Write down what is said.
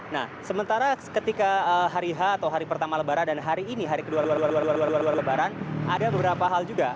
nah sementara ketika hari h atau hari pertama lebaran dan hari ini hari kedua lebaran ada beberapa hal juga